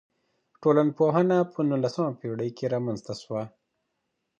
ټولنپوهنه په نولسمه پېړۍ کي رامنځته سوه.